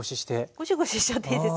ゴシゴシしちゃっていいです。